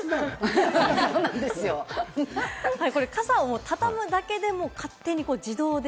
傘を畳むだけでも、勝手に自助かる！